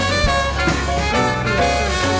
สปาเกตตี้ปลาทู